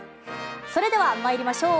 それでは参りましょう。